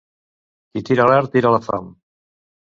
Qui tira l'art tira la fam.